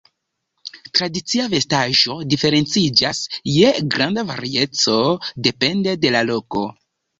Tradicia vestaĵo diferenciĝas je granda varieco depende de la loko.